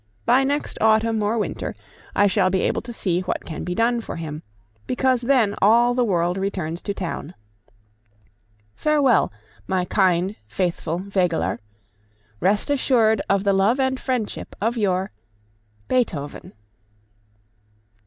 By next autumn or winter, I shall be able to see what can be done for him, because then all the world returns to town. Farewell, my kind, faithful Wegeler! Rest assured of the love and friendship of your BEETHOVEN.